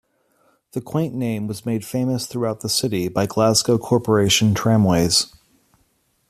The quaint name was made famous throughout the city by Glasgow Corporation Tramways.